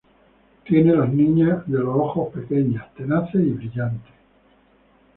tenía las niñas de los ojos pequeñas, tenaces y brillantes